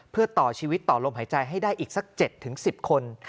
เพื่อต่อชีวิตต่อลมหายใจให้ได้อีกสัก๗๑๐คน